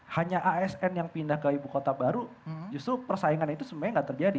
hanya asn yang pindah ke ibu kota baru justru persaingan itu sebenarnya nggak terjadi